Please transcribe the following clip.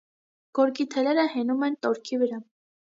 Գորգի թելերը հենում են տորքի վրա։